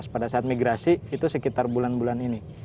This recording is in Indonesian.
pada saat migrasi itu sekitar bulan bulan ini